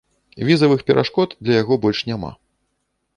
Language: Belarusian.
Візавых перашкод для яго больш няма.